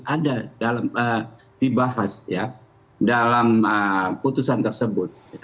ada dibahas dalam keputusan tersebut